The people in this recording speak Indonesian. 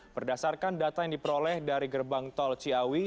berdasarkan data yang diperoleh dari gerbang tol ciawi